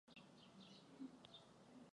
Střední část je vyvýšená.